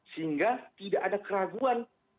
sehingga tidak ada keraguan